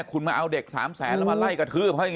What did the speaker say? คุณเอาเด็ก๓๐๐๐๐๐เรามาไล่กระทืบ